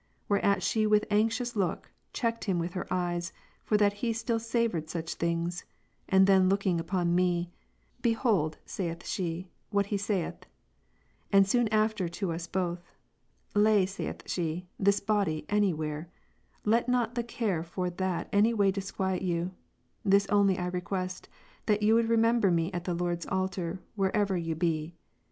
Whereat, she with anxious look, checking him with her eyes, for that he still savoured such things, and then looking upon me ; "Behold," saith she, "what he saith :" and soon after to us both, "Lay," she saith, "this body anywhere; let not the care for that any way disquiet you : this only I request, that you would remember me at the Lord's altar, wherever you be."